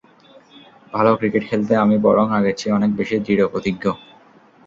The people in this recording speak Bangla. ভালো ক্রিকেট খেলতে আমি বরং আগের চেয়ে অনেক বেশি দৃঢ় প্রতিজ্ঞ।